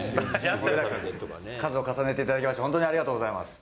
数を重ねていただきまして、本当にありがとうございます。